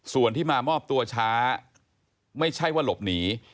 ส่วนที่มามอบตัวช้าไม่ใช่ว่าหลบหนี